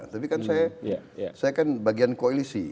tapi kan saya kan bagian koalisi